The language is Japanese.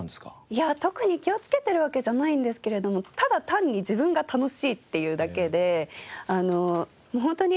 いや特に気をつけてるわけじゃないんですけれどもただ単に自分が楽しいっていうだけで。